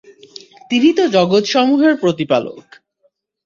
তিনি তো জগতসমূহের প্রতিপালক!